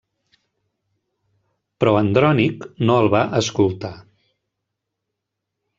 Però Andrònic no el va escoltar.